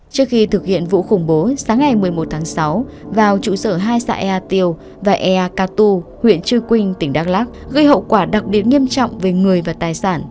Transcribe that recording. trước khi thực hiện vụ khủng bố sáng ngày một mươi một tháng sáu vào trụ sở hai xã ea tiêu và ea katu huyện chư quynh tỉnh đắk lắc gây hậu quả đặc biệt nghiêm trọng về người và tài sản